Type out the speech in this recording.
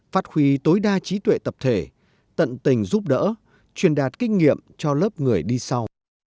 phát huy tối đa trí tuệ tập thể tận tình giúp đỡ truyền đạt kinh nghiệm cho lớp người đi sau